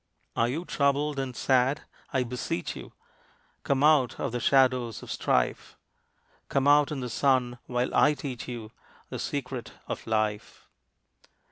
Are you troubled and sad? I beseech you Come out of the shadows of strife Come out in the sun while I teach you The secret of life.